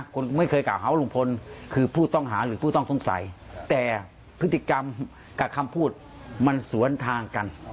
คนไม่เคยกล่าวหาว่าลุงพลคือผู้ต้องหาหรือผู้ต้องสงสัยแต่พฤติกรรมกับคำพูดมันสวนทางกัน